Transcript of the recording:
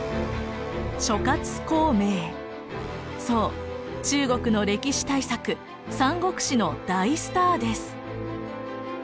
そう中国の歴史大作「三国志」の大スターです。